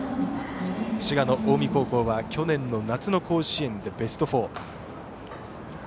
滋賀の近江高校は去年の夏の甲子園でベスト４。